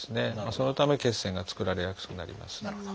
そのため血栓が作られやすくなります。